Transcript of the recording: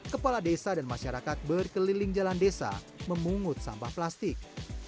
kepala desa dan masyarakat berkeliling jalan desa memungut sampah plastik